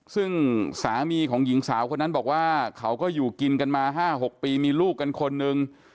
ซึ่งสามีของหญิงสาวคนนั้นบอกว่าเขาก็อยู่กินกันมา๕๖ปีมีลูกกันคนนึง